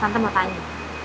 tante mau tanya